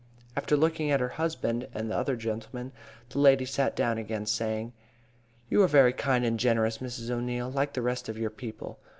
After looking at her husband and the other gentlemen, the lady sat down again, saying: "You are very kind and generous, Mrs. O'Neil, like the rest of your people.